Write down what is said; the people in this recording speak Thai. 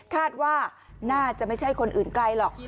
คาดว่าน่าจะไม่ใช่คนอื่นไกลหรอก